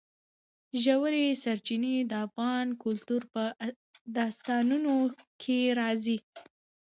ژورې سرچینې د افغان کلتور په داستانونو کې راځي.